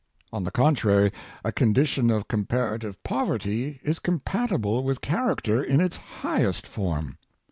On the contrary, a condition of comparative poverty is compatible with character in its highest form.